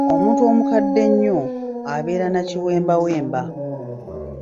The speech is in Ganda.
Omuntu omukadde ennyo abeera na Kiwembawemba.